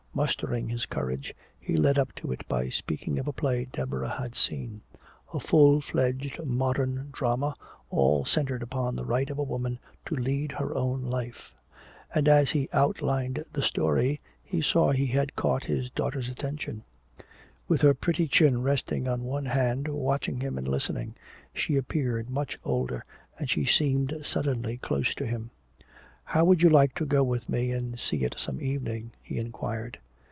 Mustering his courage he led up to it by speaking of a play Deborah had seen, a full fledged modern drama all centered upon the right of a woman "to lead her own life." And as he outlined the story, he saw he had caught his daughter's attention. With her pretty chin resting on one hand, watching him and listening, she appeared much older, and she seemed suddenly close to him. "How would you like to go with me and see it some evening?" he inquired.